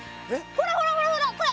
ほらほらほらほらこれ！